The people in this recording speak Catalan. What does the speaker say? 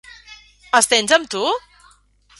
Els tens amb tu?